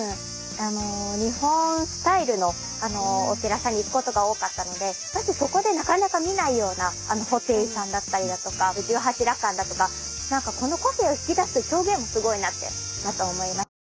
あの日本スタイルのお寺さんに行くことが多かったのでまずそこでなかなか見ないようなあの布袋さんだったりだとか十八羅漢だとかこの個性を引き出す表現もすごいなってまた思いましたし